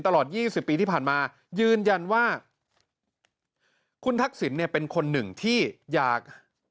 ตลอด๒๐ปีที่ผ่านมายืนยันว่าคุณทักษิณเนี่ยเป็นคนหนึ่งที่อยาก